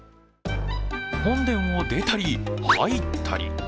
本殿を出たり入ったり。